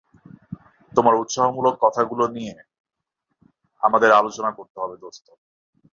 তোমার উৎসাহমূলক কথাগুলো নিয়ে আমাদের আলোচনা করতে হবে, দোস্ত।